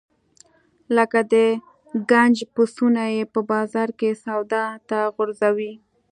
لکه د ګنج پسونه یې په بازار کې سودا ته غورځوي.